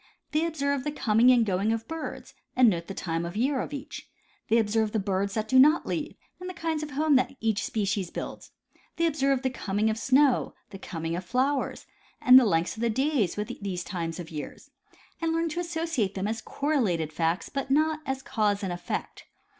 They observe the coming and going of birds and note the time of the year of each ; they observe the birds that do not leave and the kinds of homes that each species build ; they observe the coming of snow, the coming of flowers, and the length of the days with each of these times of year, and learn to associate them as correlated facts, but not as cause and effect.